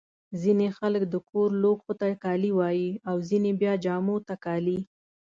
ځيني خلک د کور لوښو ته کالي وايي. او ځيني بیا جامو ته کالي.